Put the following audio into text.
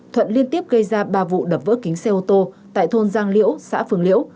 thuận liên tiếp gây ra ba vụ đập vỡ kính xe ô tô tại thôn giang liễu xã phường liễu